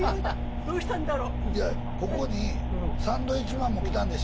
どうしたんだろう？